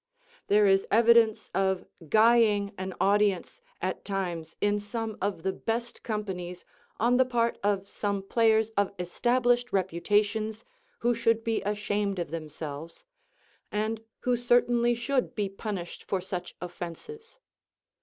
There is evidence of "guying" an audience at times in some of the best companies on the part of some players of established reputations who should be ashamed of themselves, and who certainly should be punished for such offenses.